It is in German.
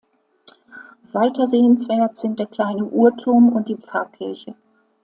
Weiter sehenswert sind der kleine Uhrturm und die Pfarrkirche.